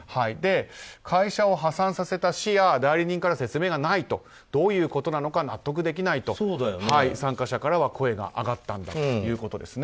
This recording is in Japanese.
会社を破産させた市や代理人から説明がないというのはどういうことなのか納得できないと、参加者からは声が上がったんだということです。